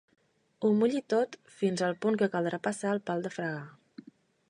Ho mulli tot, fins al punt que caldrà passar el pal de fregar.